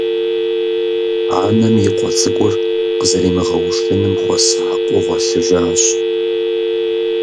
Анэм и къуэ цӀыкӀур къызэримыгъэушыным хуэсакъыу гъуэлъыжащ.